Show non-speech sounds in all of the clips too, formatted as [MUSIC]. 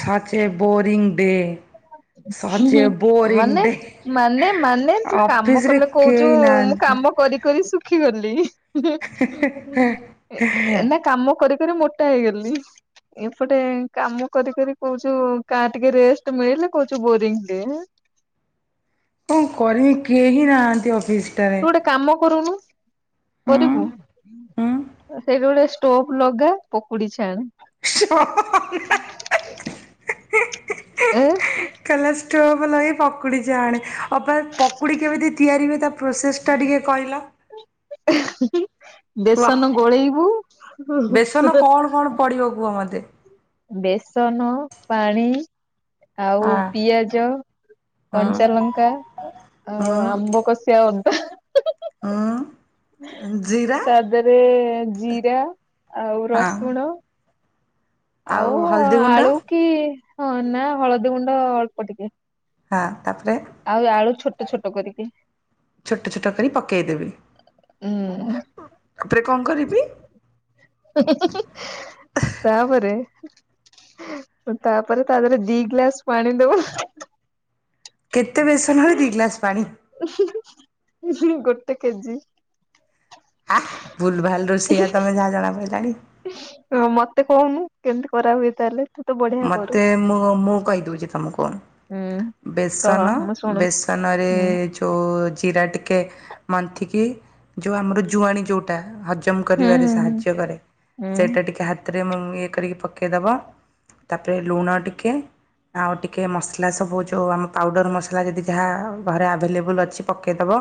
ସଚ a boring day. ମାନେ ମାନେ ମାନେ ତୁ କାମ ଅଫିସରେ କଲେ କହୁଛୁ, କେହି ମୁଁ ନାହାନ୍ତି। କାମ କରି କରି ଶୁ ଖି ଗଲି ଏ କଣ ନା କାମ କରି ପେରେ ମୋଟା ହେଇଗଲି। ଏପଟେ କାମ କରି କରି କହୁଛୁ କା ଟିକେ ରେଷ୍ଟ ମିଳିଲେ କହୁଛୁ ବୋରିଂ ଡେ। କଣ କରବି କେହି ନାହାନ୍ତି ଅଫି ତୁ ଗୋଟେ କାମ କରୁନୁ ହୁଁ କରିବୁ। ହୁଁ ସେଇଟି ଗୋଟେ ଷ୍ଟୋପ ଲଗା ପକୁଡି ଛାଣେ। [INAUDIBLE] ଏଁ। କଲା ଷ୍ଟୋଭ ଲଗେଇ ପକୁଡି ଛାଣେ ଅପା ପକୁଡି କେମିତି ତିଆରି ହୁଏ ତା ପ୍ରୋସେସ ସେଟା ଟିକେ କହିଲ? କୁହ ବେସନ ଗୋଳେଇବୁ ପଡ଼ିବ କୁହ ମତେ? ବେସନ, ପାଣି, ଆଉ ହଁ ପିଆଜ ହଁ କଞ୍ଚା ଲଙ୍କା ଆ ହଁ ଆମ୍ବକଶିଆ ଅ ହଁ। ଜିରା ତାଧିରେ ଜିରା ଆଉ ହଁ ରସୁଣ ଆଉ ହଳଦୀ ଗୁଣ୍ଡ ଆଳୁ କି ହଁ ନା ହଳଦୀ ଗୁଣ୍ଡ ଅଳ୍ପ ଟିକେ। ହଁ ତାପରେ। ଆଉ ଆଳୁ ଛୋଟ ଛୋଟ କରିକି ଛୋଟ ଛୋଟ କରି ପକେଇଦେବି ଉଁ ତାପରେ କଣ କରିବି? ତାପରେ ତାପରେ ତା ଦେହରେ ଦି ଗ୍ଲାସ ପାଣି ଦବ କେତେ ବେସନରେ ଦି ଗ୍ଲାସ୍ ପାଣି? ଗୋଟେ କେଜି। ଆ ଭୁଲ ଭାଲ ରୋଷେଇଆ ତମେ ଯାହା ଜଣା ପଡ଼ିଲାଣି। ହଁ ମତେ କହୁନୁ କେମିତି କରା ହୁଏ ତାହେଲେ। ତୁ ତ ବଢିଆ କରୁ ମତେ ମୁଁ-ମୁଁ କହିଦେଉଛି ତମକୁ। ହୁଁ କହ ବେସନ ମୁଁ ଶୁଣୁଛି ବେସନରେ ହୁଁ ଯୋଉଁ ଜିରା ଟିକେ ମନ୍ଥିକି ଯୋଉଁ ଆମର ଜୁଆଣି ଯୋଉଟା ହଜମ ହୁଁ କରିବାରେ ହୁଁ ସାହାଯ୍ୟ କରେ। ହୁଁ ସେଇଟା ଟିକେ ହାତରେ ମ ଇଏ କରିକି ପକେଇଦବ। ତାପରେ ଲୁଣ ଟିକେ ଆଉ ଟିକେ ମସଲା ସବୁ ଯୋଉଁ ଆମ ପାଉଡ଼ର ମସଲା ଯଦି ଯାହା ଘରେ ଆଭେଲେବୁଲ୍ ଅଛି ପକେଇଦବ।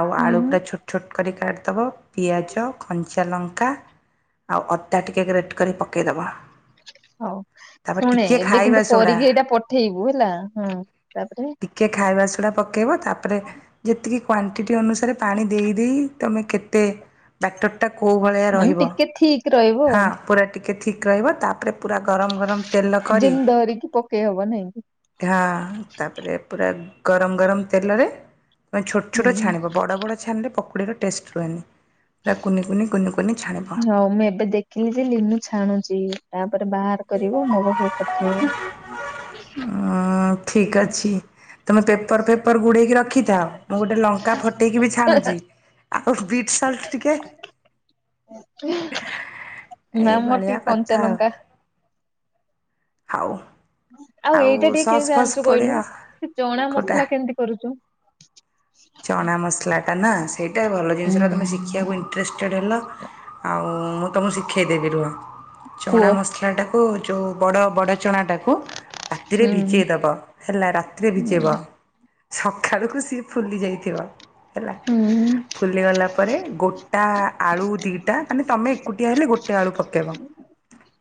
ଆଉ ହୁଁ ଆଳୁ ହୁଁ ପୁରା ଛୋଟ ଛୋଟ କରି କାଟିଦବ। ପିଆଜ, କଞ୍ଚା ଲଙ୍କା ଆଉ ଅଦା ଟିକେ ଗ୍ରେଟ୍ କରି ପକେଇଦେବ। ହଉ ଶୁଣେ ଏବେ ଖାଇବା କିନ୍ତୁ ସୋଡ଼ା କରିକି ଏଇଟା ପଠେଇବୁ ହେଲା। ହୁଁ ତାପରେ ଟିକେ ଖାଇବା ସୋଡ଼ା ପକେଇବ। ତାପରେ ଯେତିକି କ୍ଵାଣ୍ଟିଟି ଅନୁସାରେ ପାଣି ଦେଇଦେଇ ତୁମେ କେତେ ବ୍ୟାଟର ଟା କୋଉ ଭଳିଆ ମାନେ ରହିବ? ଟିକେ ଠିକ ରହିବ ହଁ ଆଉ ପୁରା ଟିକେ ଥିକ୍ ରହିବ। ତାପରେ ପୁରା ଗରମ ଗରମ ତେଲ କରି ଯେମିତି ଧରିକି ପକେଇ ହବ ନାଇଁ କି। ହଁ। ତାପରେ ପୁରା ଗରମ ଗରମ ତେଲରେ ଛୋଟ ଛୋଟ ହୁଁ ଛାଣିବ। ବଡ ବଡ ଛାଣିଲେ ପକୁଡିର ଟେଷ୍ଟ ରୁହେନି। ପୁରା କୁନିି କୁନି କୁନି ଛାଣିବ ହଉ ମୁଁ ଏବେ ଦେଖିଲି ଯେ ଲିନୁ ଛାଣୁଚି। ତାପରେ ବାହାର କରିବ ମୋ ପାଖକୁ ସବୁ ପଠେଇବ। ହଁ ଠିକ୍ ଅଛି। ତମେ ପେପର ଫେପର ଗୁଡେଇକି ରଖିଥାଅ। ମୁଁ ଗୋଟେ ଲଙ୍କା ଫଟେଇକି ବି ଛାଣୁଚି। ଆଉ ବି [INAUDIBLE] ମ୍ୟାମ୍ ମୋର ଏଇଭଳିଆ ଟିକେ କଥା ଆଉ କଞ୍ଚାଲଙ୍କା ହଉ। ଆଉ ଏଇଟା ଟିକେ ସସ୍ କେମତି ଫସ୍ ଜାଣିଚୁ କହିଲୁ। ପଡ଼ିବ। ସେ ଚଣା କୋଉଟା ମସଲା କେମତି କରୁଚୁ? ଚଣା ମସଲାଟା ନା ସେଇଟା ଭଲ ଜିନିଷଟା ହୁଁ। ତୁମେ ଶିଖିବାକୁ ଇଣ୍ଟରେଷ୍ଟେଡ଼୍ ହେଲ ଆଉ ମୁଁ ତୁମକୁ ଶିଖାଇଦେବି ରୁହ। କୁହ ଚଣା ମସଲାଟା ବୋ ଯୋଉ ବଡ ବଡ ଚଣାଟାକୁ ରାତିରେ ହୁଁ ଭିଜେଇଦବ ହେଲା, ରାତିରେ ହୁଁ ଭିଜେଇବ। ସକାଳକୁ ସିଏ ଫୁଲି ଯାଇଥିବ ହେଲା। ହୁଁ ଫୁଲିଗଲା ପରେ ଗୋଟା ଆଳୁ ଦିଇଟା, ମାନେ ତମେ ଏକୁଟିଆ ହେଲେ ଗୋଟେ ଆଳୁ ପକେଇବ।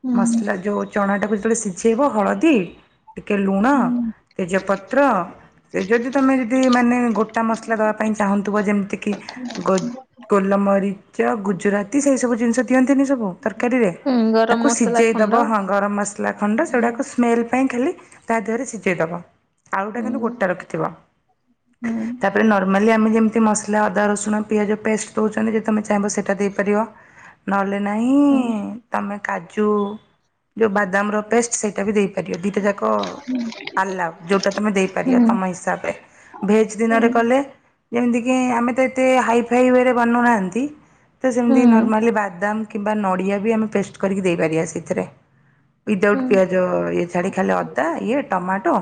ହୁଁ। ମସଲା ଯୋଉ ଚଣା ଟାକୁ ଯେତେବେଳେ ସିଝେଇବ ହଳଦୀ ଟିକେ ଲୁଣ, ହୁଁ ତେଜପତ୍ର ସେ ଯଦି ତମେ ଯଦି ମାନେ ଗୋ ମସଲା ଦେବା ପାଇଁ ଚାହୁଁଥିବ ଯେମିତିକି ଗ ଗୋଲମରିଚ, ଗୁଜୁରାତି ସେଇ ସବୁ ଜିନିଷ ଦିଅନ୍ତିନି ସବୁ ତରକାରୀରେ। ହୁଁ। ଗରମ ତାକୁ ମସଲା ସିଝେଇ ଖଣ୍ଡ ଦବ ହଁ। ଗରମ ମସଲା ଖଣ୍ଡ ସେଗୁଡାକୁ ସ୍ମେଲ୍ ପାଇଁ ଖାଲି ତା ଦେହରେ ସିଝେଇଦବ। ଆଳୁଟା ହୁଁ କିନ୍ତୁ ଗୋଟା ରଖିଥିବ। ହୁଁ। ତାପରେ ନର୍ମାଲି ଆମେ ଯେମିତି ମସଲା ଅଦା ରସୁଣ ପିଆଜ ପେଷ୍ଟ ଦେଉଛନ୍ତି ଯଦି ତୁମେ ଚାହିଁବ ସେଇଟା ଦେଇପାରିବ। [INAUDIBLE] ନହେଲେ ନାହିଁ ହୁଁ ତମେ କାଜୁ ଯୋଉ ବାଦାମ ର ପେଷ୍ଟ ସେଇଟା ବି ଦେଇ କରିବ। ଦୁଇଟା ଯାକ ଆଲାଉ ଯୋଉଟା ତୁମେ ଦେଇପାରିବ, ହୁଁ। ତୁମ ହିସାବରେ। ଭେଜ୍ ହୁଁ ଦିନରେ କଲେ ଯେମିତିକି ଆମେ ତ ଏତେ ହାଇ ଫାଇ ୱେରେ ବନଉନାହାନ୍ତି। ତ ସେମିତି ହୁଁ ନର୍ମାଲି ବାଦାମ କିମ୍ବା ନଡ଼ିଆ ବି ଆମେ ପେଷ୍ଟ କରିକି ଦେଇପାରିବା ସେଥିରେ। ୱିଦାଉଟ୍ ହୁଁ ପିଆଜ ଇଏ ଛାଡ଼ି ଖାଲି ଅଦା ଇଏ ଟମାଟୋ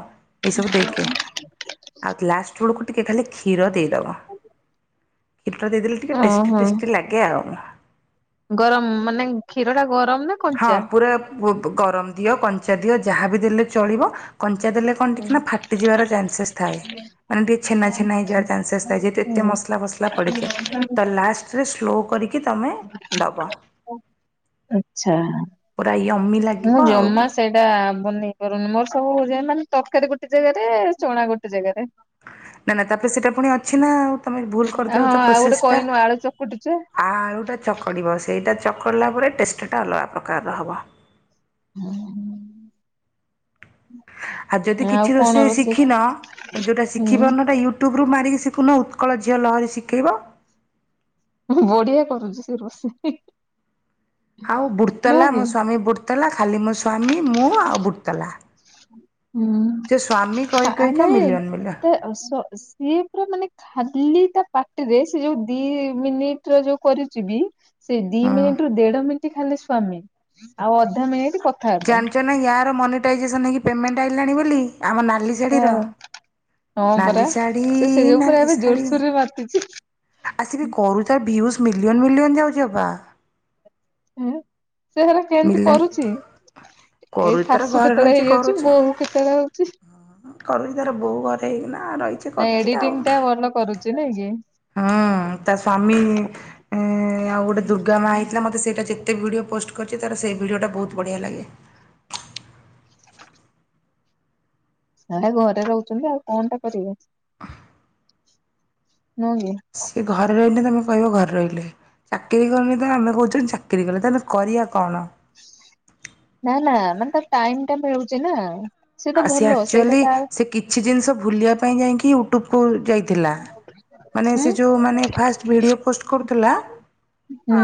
ଏସବୁ ଦେଇକି। ଆଉ ଲାଷ୍ଟ ବେଳକୁ ଟିକେ ଖାଲି କ୍ଷୀର ଦେଇଦବ। ହିଟ୍ର ଦେଇଦେଲେ ଟିକେ ଟେଷ୍ଟି ଓହୋ ଟେଷ୍ଟି ଲାଗେ ଆଉ। ଗରମ ମାନେ କ୍ଷୀର ଟା ଗରମ ନା ହଁ କଞ୍ଚା? ପୁରା ଗରମ ଦିଅ କଞ୍ଚା ଦିଅ ଯାହାବି ଦେଲେ ଚଳିବ କଞ୍ଚା ଦେଲେ କଣ ଟିକି ନା ଫାଟିଯିବାର ଚାନ୍ସେସ୍ ଥାଏ। ମାନେ ଟିକେ ଛେନା ଛେନା ହେଇଯିବାର ଚାନ୍ସେସ୍ ଥାଏ ଯେହେତୁ ଏତେ ମସଲା ଫସଲା ପଡିଥାଏ। ହୁଁ। ତ ଲାଷ୍ଟରେ ସ୍ଲୋ କରିକି ତୁମେ ଦେବ। ଆଚ୍ଛା ପୁରା ୟମି ଲାଗିବ ମୁଁ ଆଉ। ଜମା ସେ ଟା ବନେଇ ପାରୁନି ମୋର ସବୁ ହଉ ମାନେ ତରକାରୀ ଗୋଟେ ଜାଗାରେ ଚଣା ଗୋଟେ ଜାଗାରେ। ନା ନା ତାପରେ ସେଇଟା ପୁଣି ଅଛି ନା ଆଉ। ତମେ ଭୁଲ ହଁ କରିଦେଲ ତ ଆଉ ଗୋଟେ ପ୍ରୋସେସ ଟା କହିନୁ ଆଳୁ ଚକୁଟୁଚେ ଆଳୁ ଟା ଚକଡ଼ିବ ସେଇଟା ଚକଡ଼ିଲା ପରେ ଟେଷ୍ଟଟା ଅଲଗା ପ୍ରକାରର ହେବ। ହୁଁ। ଆଉ ଯଦି କିଛି ରୋଷେଇ ଶିଖିନ ଯୋଉଟା ଶିଖି ହୁଁ ପାରୁନ ସେଟା ୟୁ ୟଟ୍ୟୁବରୁ ମାରିଖୁନ ଉତ୍କଳ ଝିଅ ଲହରୀ ଶିଖେଇବ। ବଢିଆ କରୁଛିୁ ସେ ରୋଷେଇ। ଆଉ ନୁହଁ ବୁଡ଼ତଲା ମୋ କି ସ୍ଵାମୀ ବୁଡ଼ଲା ଖାଲି ମୋ ସ୍ଵାମୀ ମୁଁ ଆଉ ବୁଟାଲା। ହୁଁ କହି କ କହିକା ନାଇଁ ମିଲିୟନ ମିଲିୟନ ତ ଆସ। ଇଏ ପୁରା ମାନେ ଖାଲି ତା ପାଟିରେ ସେ ଯୋଉ ଦି ମିନିଟ ର ଯୋଉ କରୁଛି ବି। ସେ ଦି ହୁଁ। ମିନିଟ ରୁ ଦେଢ ମିନିଟ୍ ଖାଲି ସ୍ଵାମୀ ଆଉ ଅଧା ମିନିଟ କ ଜାଣିଛ ନା ୟାର ମନିଟାଇଜେସନ ହେଇି ପେମେଣ୍ଟ ଆଇଣି ବୋଲି ଆମ ନା ନାଲି ଶାଢ଼ର ହଁ ନାଲି ଶାଢ଼ ନାଲି ଶାଢ଼ୀ। ବର୍ତିଛି। ଆସିବି କରୁ ତାର ଭିଉଜ ମିଲିୟନ ମିଲିୟନ ଯାଉଛି ଅପା। ସେ ହେରା କେମିତି ମିଲିୟନ କରୁଛି? ଏ କରୁଛି ତାର ଶାଶୁ ଘରେ କେତେବେଳେ ରହିଛି ହେଇଯାଉଛି କରୁଛି ବୋଉ କେତେବେଳେ ହଉଛି। କରୁଛି ତାର ବୋଉ ଘରେ ହେଇକିନା ରହିଛି ନାଇ କରୁଛି ଏଡିଟିଂ ଟା ଭଲ କରୁଛି ନାଇଁ କି। ହୁଁ ତା ସ୍ଵାମୀ। ଉଁ ଆଉ ଗୋଟେ ଦୁର୍ଗା ମା ହେଇଥିଲା ମତେ ସେଇଟା ଯେତେ ଭିଡିଓ ପୋଷ୍ଟ କରି ତାର ସେଇ ଭିଡିଓ ଟା ବହୁତ ବଢିଆ ଲାଗେ। ସେଟା ଘରେ ରହୁଛନ୍ତି ଆଉ କଣ ଟା କରିବେ। ନୁଁକି। ସିଏ ଘରେ ରହିଲେ ତମେ କହିବ ଘରେ ରହିଲେ। ଚାକିରୀ କରୀନି ତ ଆମେ କହୁଚେ ଚାକିରି କଲେ ତ ଆମେ କରିବା କଣ? ନା ନା ମାନେ ତ ଟାଇମ୍ ଟା ମିଳୁଛି ନା। ତ ଆଉ ସେ ଭଲ ସେଇଟା ଆକ୍ଚୁଆଲି ତା ସେ କିଛି ଜିନିଷ ଭୁଲିବା ପାଇଁ ଯାଇକି ଟୁପୁ ଯାଇଥିଲା ମାନେ ହୁଁ ସେ ଯେଉଁ ମାନେ ଫାଷ୍ଟ ଭିଡ଼ିଓ ପୋଷ୍ଟ କରୁଥିଲା। ହୁଁ। ଆ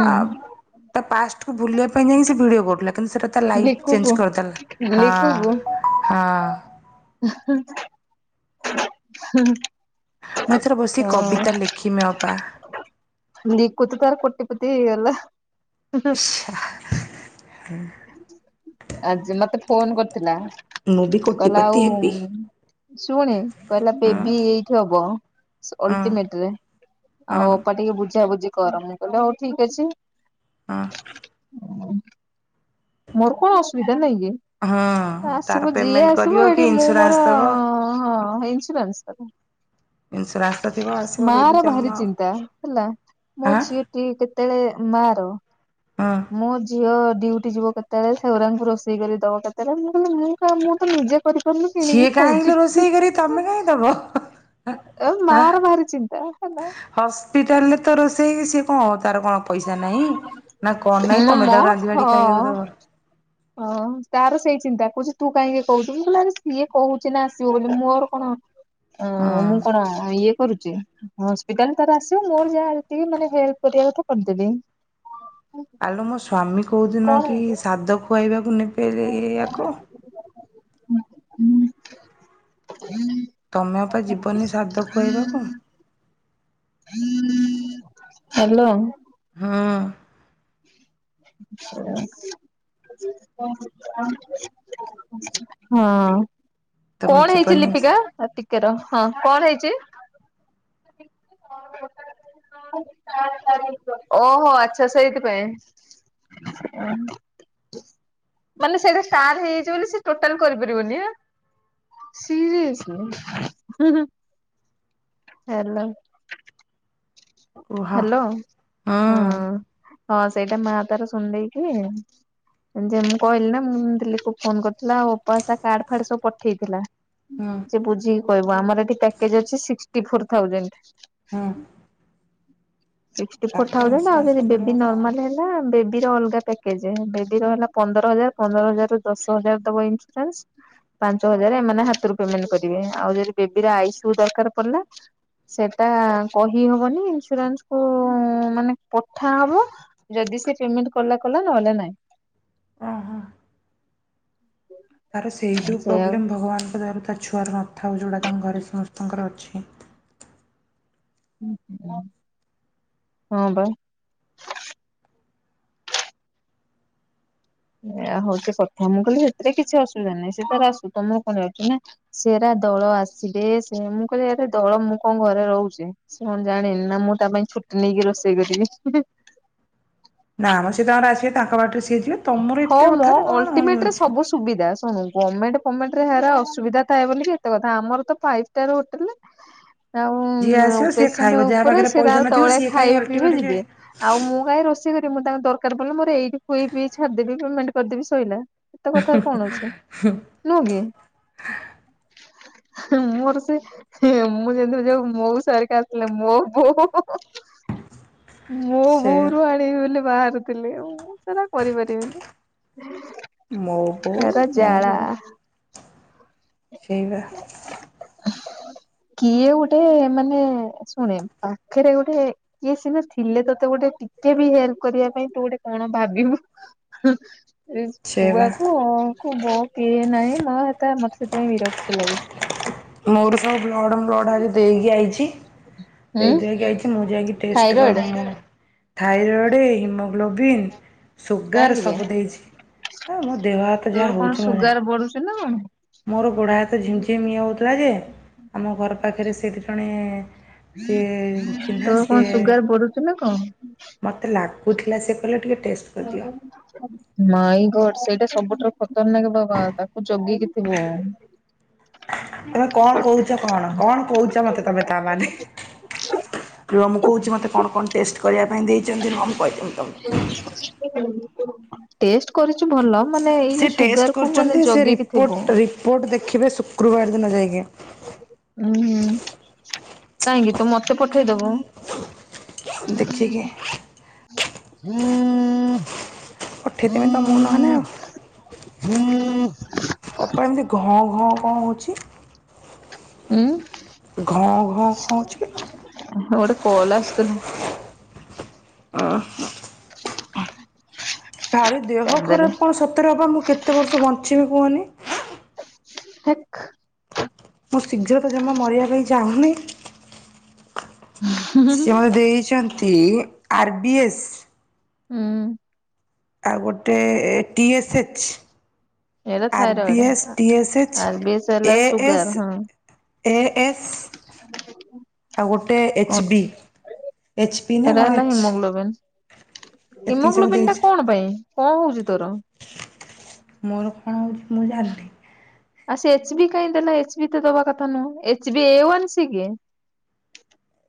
ତା ପାଷ୍ଟକୁ ଭୁଲିବା ପାଇଁ ଯାଇକ ସେ ଭିଡ଼ିଓ କରୁଥିଲା କିନ୍ତୁ ସେଇଟା ତା ଲାଇଫ୍ ଚେଞ୍ଜ କରିଦେଲା? ମିଲି କୁବୁ। ହଁ ହଁ। ହଁ। ମୁଁ ଏଥର ବସି କବିତା ଲେଖିମେ ଅପା ଲିକୁ ତ ତାର କୋଟି ପତି ହେଇଗଲା। ହୁଁ। ଆଜି ମତେ ଫୋନ କରିଥିଲା ବି କହିଲ କୋଟିପତି ଆଉ ହେବି ଶୁଣି କହିଲା ହଁ ବେବି ଏଇଠି ହବ। ଅଲ୍ ହଁ ଲ୍ଟିମେଟ ରେ ଆଉ ହଁ ଅପା ଟିକେ ବୁଝାବୁଝି କର ମୁଁ କହିଲି ହୋଉ ଠିକ୍ ଅଛି ହଁ। ମୁଁ। ମୋର କଣ ଅସୁବିଧା ନେ଼ଇଁକି ହଁ ତାର ଆସିବୁ ଯିଏ ପେମେଣ୍ଟ ଆସିବ କରିବ କି ଏଠି ମୁଁ ଇନ୍ସୁରାନ୍ସ ମୋର ଦେବ ଇନ୍ସୁରାନ୍ସ କରେ ଇନ୍ସୁରାନ୍ସ ତ ଥିବ ଆସିବ ମା ବେବି ର ଜନ୍ମ ଭାରି ଆଉ ଚିନ୍ତା ହେଲା ମୋ ଆଁ ଝିଅ- କି କେତେବେଳେ ମାର ହଁ ମୋ ଝିଅ ଡିଉଟି ଯିବ କେତେବେଳେ [UNINTELLIGIBLE] ରୋଷେଇ କରିଦବ କେତେବେଳେ ମୁଁ କହିଲି ମୁଁ କ ମୁଁ ତ ନିଜେ କରି ପାରୁନି କିଣିକି ସିଏ ଖୁଉଛି କାହିଁକି ରୋଷେଇ କରି ତମେ କାହିଁ ଦବ ହା ମାର ଭାରି ଚିନ୍ତା ହେଲା ହସ୍ପିଟାଲରେ ତ ରୋଷେଇ ସିଏ କଣ ହଉ ତାର କଣ ପଇସା ନାଇଁ ନା କଣ ନାଇଁ ହଁ ମ ତମେ ତାକୁ ରାନ୍ଧିିବାଡି ଖାଇବାକୁ ଦବ ଓ ତାର ସେଇ ଚିନ୍ତା କହୁଛି ତୁ କାହିଁକି କହୁଛୁ ମୁଁ କହିଲି ଆରେ ସିଏ କହୁଛି ନା ଆସିବ ବୋଲି ମୋର କଣ ଅ ହଁ ମୁଁ କଣ ଆଏ କରୁଛି ହସ୍ପିଟାଲ ତାର ଆସିବ ମୋର ଯାହା ମାନେ ହେଲ୍ପ କରିବା କଥା କରିଦେବି [INAUDIBLE] ଆଲୋ ମୋ ସ୍ୱାମୀ କେଉଁଦିନ କଣ କି ହେଇଛି? ସାଦ ଖୁଆଇବାକୁ ନେବେ ୟେ ଆକୁ? ତମେ ଅପା ଯିବନି ସାଦ ଖୁଆଇବାକୁ? [UNINTELLIGIBLE] ହାଲୋ ହଁ [INAUDIBLE] [UNINTELLIGIBLE] [UNINTELLIGIBLE] ହଁ ତମେ କଣ ହେଇଛି ଯିବନି ଲିପିକା ଟିକେ ର ହଁ କଣ ହେଇଛି? [UNINTELLIGIBLE] ଓହୋ ଆଛା ସେଇଥି [UNINTELLIGIBLE] ମାନେ ସେଇଟା ସାନ ହେଇଯାଇଛି ବୋଲି ସେ ଟୋଟାଲ କରିପାରିବନି ସିଲି ହୁଁ ହୁଁ ହେଲୋ- କୁହ ହଁ ହ୍ୟାଲୋ ହଁ ହଁ ସେଇଟା ମା ତାର ଶୁଣି ଦେଇକି ଯେ ମୁଁ କହିଲି ନା ମୁଁ ଦିଲ୍ଲୀକୁ ଫୋନ କରିଥିଲା ଆଉ କାର୍ଡ ଫାର୍ଡ ସବୁ ପଠେଇଥିଲା ହୁଁ ବୁଝିକି କହିବ ଆମର ଏଠି ପ୍ୟାକେଜ ଅଛି ସିକ୍ସଟି ଫର୍ ଥାଓଯେଣ୍ଡ - ହୁଁ ସିକ୍ସଟି ଫୋର ଥାଉଜେଣ୍ଡ ନା ଆଉ ଇନ୍ସୁରାନ୍ସ ଯଦି ମିଳିବ ବି କଣ? ନର୍ମାଲ ହେଲେ ନା ବେବି ର ଅଲଗା ପ୍ୟାକେଜ ବେବି ର ହେଲା ପନ୍ଦର ହଜାର ପନ୍ଦର ହଜାର ରୁ ଦଶ ହଜାର ଦବ ଇନ୍ସୁରାନ୍ସ ପାଞ୍ଚ ହଜାର ଏମାନେ ହାତରୁ ପେମେଣ୍ଟ କରିବେ ଆଉ ଯଦି ବେବିର ଆଇସିୟୁ ଦରକାର ପଡିଲା ସେଟା କହି ହବନି ଇନ୍ସୁରାନ୍ସ ଓ ମାନେ ପଠା ହେବ ଯଦି ସେ ପେମେଣ୍ଟ କଲା କଲା ନହେଲେ ନାଇଁ? ଓହୋ ତାର ସେଇ ଯେଉଁ ସେଇଆଉ ପ୍ରୋବ୍ଲେମ୍ ଭଗବାନଙ୍କ ଦୟାରୁ ତା ଛୁଆର ନଥାଉ ଯଉଟା ତାଙ୍କ ଘରେ ସମସ୍ତଙ୍କର ଅଛି ଓଃ ହଁ ବା ଏଇଆ ହଉଛି କଥା ମୁଁ କହିଲି ସେଥିରେ କିଛି ଅସୁବିଧା ନାଇଁ ସେ ତାର ଆସୁ ତମର କଣ ଯାଉଛି ନା ସେରା ଦୋଳ ଆସିବେ ସେ ମୁଁ କହିଲି ଆରେ ଦୋଳ ମୁଁ କଣ ଘରେ ରହୁଛି ସେ କଣ ଜାଣିନି ନା ମୁଁ ତା ପାଇଁ ଛୁଟି ନେଇକି ରୋଷେଇ କରିବି ନା ମ ସିଏ ତାଙ୍କର ଆସିବେ ତାଙ୍କ ବାଟରେ ସିଏ ଯିବେ ତମର ହଁ ଏତେ ମ କଥାରେ କଣ ଅଲଟିମେଟ ରେ ହେଇଯାଉଛି ସବୁ ସୁବିଧା ଶୁଣୁ ଗମେଣ୍ଟବ ଫମେଣ୍ଟରେ ହେରା ଅସୁବିଧା ଥାଏ ବୋଲି ଏତେ କଥା ଆମର ତ ଫାଇବଷ୍ଟାର ହୋଟେଲ [INAUDIBLE] ଆଉ ଯିଏ ଆସିବ ସିଏ ପେସେଣ୍ଟ ଖାଇବ ଯାହା ଉପରେ ପାଖରେ ପଇସା ସେତାର ନଥିବ ତଳେ ସିଏ କାହିଁ ଖାଇବେ ପିଇବେ ଅଲଟିମେଟ ଯେ ଯିବେ ଆଉ ମୁଁ କାଇଁ ରୋଷେଇ କରିିଵି ମୁଁ ତାର ଦରକାର ପିଲ ମୋ ଏଇଠି ଖୁଏଇ ପିଏଇ ଛାଡିଦେବି ପେମେଣ୍ଟ କରିଦେବି ଶୋଇଲା ଏତେ କଥା କଣ ଅଛି ନୁହଁ କି [INAUDIBLE] ହୁଁ ମୋର ସେଇ ମୁଁ ଯେମିତି ଯଉ ମୋ ସରିକ ଆସିଲି ମୋ ବୋଉ ମୋ ସେ ବୋଉରୁ ଆଣିବି ବୋଲି ବାହାରୁଥିଲିଁ ସେ କରିପାରିବିନି। ମୋ ବୋଉ ହେରା ମୋ ଜାଳା ବୋଉ ସେଇ ବା [UNINTELLIGIBLE] କିଏ ଗୋଟେ ମାନେ ଶୁଣେ ପାଖରେ ଗୋଟେ କିଏ ସିନା ଥିଲେ ତୋତେ ଗୋଟେ ଟିକେ ବି ହେଲ୍ପ କରିବା ପାଇଁ ତୁ ଗୋଟେ କଣ ଭାବିବୁ। ହଁ ଏ ସେଇବା ଛୁଆକୁ ଅ କୁ ବ କିଏ ନାହିଁ ମା ହେତା ମତେ ସେଥିପାଇଁ ବିରକ୍ତି ଲାଗୁଛି। ମୋର ସବୁ ବ୍ଲଡ଼୍ ବ୍ଲଡ଼୍ ଆଜି ଦେଇକି ଆଇଛି ହୁଁ ଦେଇଦୁଆକି ଆଇଛି ମୁଁ ଯାଇକି test thyroid thyroid haemoglobin sugar କାହିଁକି ବେ ସବୁ ଦେଇଛି ଆ ମୋ ଦେହ ହାତ ଯାହା ତୋର କଣ ହଉଛି ମୁଁ ଜାଣେ ସୁଗାର ବଢୁଛି ନା କଣ? ମୋର ଗୋଡ ହାତ ଝିମ୍ ଝିମ୍ ଇଏ ହେଉଥିଲା ଯେ ଆମ ଘର ପାଖରେ ସେଇଠି ଜଣେ ସେ ଚିହ୍ନା ତୋର କଣ ସେ ସୁଗାର ବଢୁଛି ନା କଣ? ମୋତେ ଲାଗୁଥିଲା ସେ କହିଲେ ଟିକେ ଟେଷ୍ଟ କରିଦିଅ। ମାଇଗଡ ସେଇଟା ସବୁଠାରୁ ଖତରନାକ ବାବା। ତାକୁ ଜଗିକି ଥିବୁ। ତମେ କଣ କହୁଛ କଣ କଣ କହୁଛ ମତେ ତମେ। ତା ମାନେ ରୁହ ମୁଁ କହୁଛି ମତେ କଣ କଣ ଟେଷ୍ଟ କରିବା ପାଇଁ ଦେଇଛନ୍ତି ରୁହ ମୁଁ କହିଦେବି ତମକୁ। [UNINTELLIGIBLE] ଟେଷ୍ଟ କରିଛୁ ଭଲ ମାନେ ଏଇ ସେ ଯୋଉ ଟେଷ୍ଟ ସୁଗାର କୁ ମାନେ କରୁଛନ୍ତି ସେ ଜଗିକି ରିପୋର୍ଟ ଥିବୁ। ରିପୋର୍ଟ ଦେଖିବେ ଶୁକ୍ରବାର ଦିନ ଯାଇକି। ହୁଁ କାହିଁକି ତୁ ମତେ ପଠେଇଦବୁ। ଦେଖିକି। [INAUDIBLE] ପଠେଇଦେବି ତମକୁ ନହେଲେ ଆଉ। [INAUDIBLE] ଅପା ଏମିତି ଘଁ ଘଁ କଣ ହଉଛି। ଉୁଁ, ଘଁ ଘଁ କଣ ହଉଛି କି ଗୋଟେ କଲ ଆସୁଥିଲା। ଅ ଭାରି ଦେହ କାଟିଦେଲି ଖରାପ କଣ ସତରେ ଅପା, ମୁଁ କେତେ ବର୍ଷ ବଞ୍ଚିବି କୁହନି। ହେ୍କ। ମୁଁ ଶୀଘ୍ର ତ ଜମା ମରିବା ପାଇଁ ଚାହୁଁନି। ସିଏ ମୋତେ ଦେଇଛନ୍ତି ଆର ବି ଏସ୍। ହୁଁ। ଆଉ ଗୋଟେ ଟି ଏସ୍ଏଚ୍। ଏଇଟା R B thyroid S, T S H, R B S ହେଲା ଏ ସୁଗାର ଏସ୍ ହଁ। ଏ ଏସ୍। ଆଉ ଗୋଟେ ଏଚ୍ କଣ ବି, ଏଚ୍ ପି ନା ଏଟା କଣ ହେଲା ଏଚ୍ ହିମୋଗ୍ଲୋବିନ୍ ଏତିକି ସବୁ ହିମୋଗ୍ଲୋବିନ୍ ଟା ଦେଇଛି କଣ ପାଇଁ କଣ ହଉଛି ତୋର? ମୋର କଣ ହଉଛି ମୁଁ ଜାଣିନି। ଆଉ ସେ ଏଚ୍ ବି କାହିଁ ଦେଲା, ଏଚ୍ ବି ତ ଦବା କଥା ନୁହଁ, H B A one C କି।